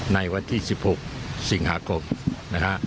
ในวันที่๑๖สิงหาคมนะฮะ